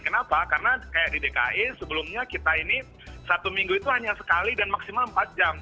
kenapa karena kayak di dki sebelumnya kita ini satu minggu itu hanya sekali dan maksimal empat jam